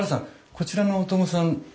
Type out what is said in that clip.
こちらの小友さん